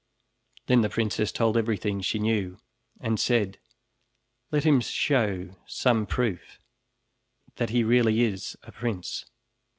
Then the princess told everything she knew and said: "Let him show some proof that he really is a prince."